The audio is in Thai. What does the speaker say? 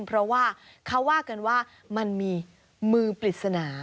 เพราะว่าเขาว่ากันว่ามันมีมือปริศนา